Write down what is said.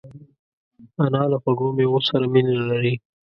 انا له خوږو مېوو سره مینه لري